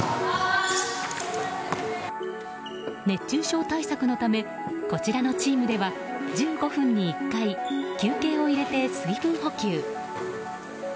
熱中症対策のためこちらのチームでは１５分に１回休憩を入れて水分補給。